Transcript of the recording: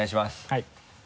はい。